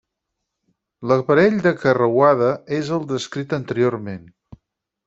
L'aparell de carreuada és el descrit anteriorment.